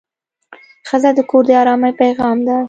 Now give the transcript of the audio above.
ښځه د کور د ارامۍ پېغام ده.